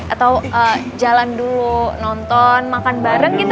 atau jalan dulu nonton makan bareng gitu